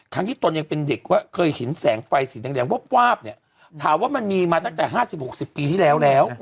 ทั้งที่ตนยังเป็นเด็กว่าเคยฉินแสงไฟสีแดงแดงวอบวาบเนี่ยถามว่ามันมีมาตั้งแต่ห้าสิบหกสิบปีที่แล้วแล้ว